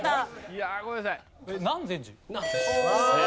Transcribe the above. いやあごめんなさい。